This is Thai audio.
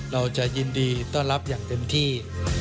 เราจะยินดีต้อนรับอย่างเต็มที่